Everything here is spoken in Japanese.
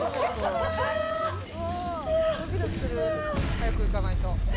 早く行かないと。